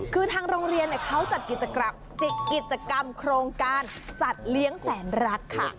คือทางโรงเรียนเขาจัดกิจกรรมโครงการสัตว์เลี้ยงแสนรักค่ะ